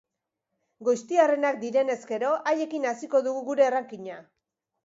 Goiztiarrenak direnez gero, haiekin hasiko dugu gure rankinga.